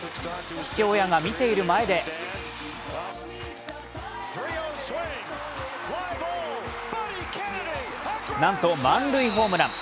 父親が見ている前でなんと満塁ホームラン。